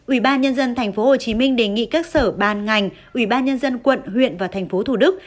ủy ban nhân dân tp hcm đề nghị các sở ban ngành ủy ban nhân dân quận huyện và thành phố thủ đức